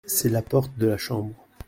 C’est la porte de la chambre.